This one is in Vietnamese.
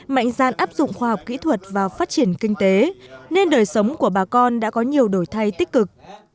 mạnh gian áp dụng khoa học kỹ thuật vào phát triển kinh tế nên đời sống của bà con đã có nhiều đổi thay tích cực